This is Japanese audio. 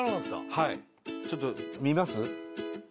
はいちょっと見ます？